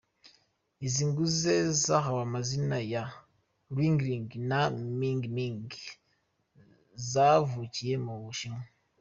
Izi nguge zahawe amazina ya Lingling na Mingming zavukiye mu Bushinwa.